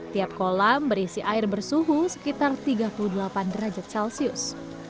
tiap kolam berisi air bersuhu sekitar tiga puluh delapan derajat celcius